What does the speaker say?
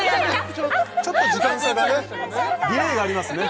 ちょっと時間差がねディレイがありますね